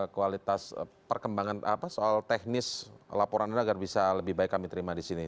kualitas perkembangan soal teknis laporan anda agar bisa lebih baik kami terima di sini